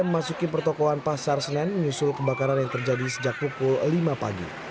memasuki pertokohan pasar senen menyusul kebakaran yang terjadi sejak pukul lima pagi